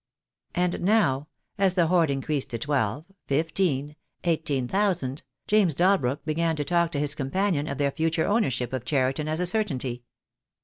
And now, as the hoard increased to twelve, fifteen, eighteen thousand, James Dalbrook began to talk to his companion of their future ownership of Cheriton as a certainty.